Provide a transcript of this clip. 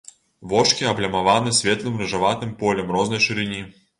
Вочкі аблямаваны светлым рыжаватым полем рознай шырыні.